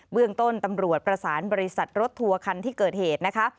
เรื่องต้นตำรวจประสานบริษัทรถทัวร์คันที่เกิดเหตุนะคะ